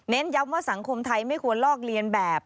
ย้ำว่าสังคมไทยไม่ควรลอกเลียนแบบ